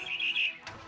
ini udah kaget